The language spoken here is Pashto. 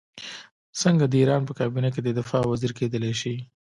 څنګه د ایران په کابینه کې د دفاع وزیر کېدلای شي.